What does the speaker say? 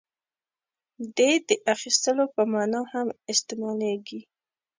• دې د اخیستلو په معنیٰ هم استعمالېږي.